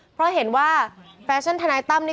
เพราะเห็นว่าแฟชั่นธนัยต้ำนี้